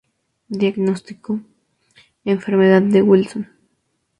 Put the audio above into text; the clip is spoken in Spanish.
Diagnóstico: Enfermedad de Wilson